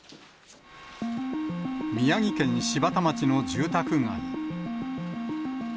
宮城県柴田町の住宅街。